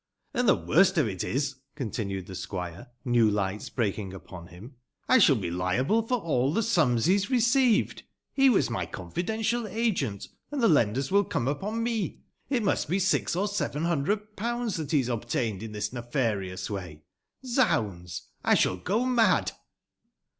And the worst of it is," continued the squire — ^new lights breaking upon him —'' I shall be liable for all tbe sums he has reoeiyed. He was my confidential agent, and the lenders will come upon me. It must be six or seven hundred pounds that he has obtained in this nefarious way. Zoimds! I shall go mad."